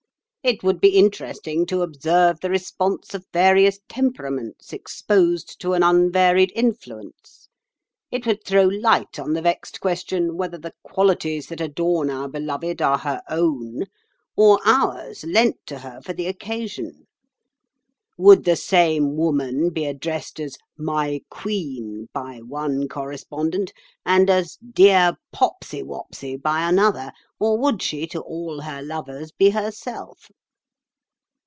"It would be interesting to observe the response of various temperaments exposed to an unvaried influence. It would throw light on the vexed question whether the qualities that adorn our beloved are her own, or ours lent to her for the occasion. Would the same woman be addressed as 'My Queen!' by one correspondent, and as 'Dear Popsy Wopsy!' by another, or would she to all her lovers be herself?"